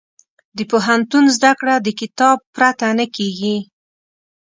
د پوهنتون زده کړه د کتاب پرته نه کېږي.